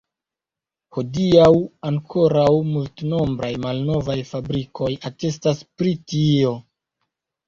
Hodiaŭ ankoraŭ multnombraj malnovaj fabrikoj atestas pri tio.